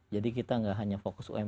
jadi kita nggak hanya fokus ke umkm